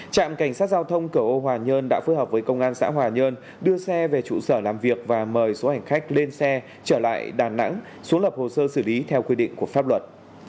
trạm cảnh sát giao thông cửa ô hòa nhơn đã phối hợp với công an xã hòa nhơn đưa xe về trụ sở làm việc và mời số hành khách lên xe trở lại đà nẵng xuống lập hồ sơ xử lý theo quy định của pháp luật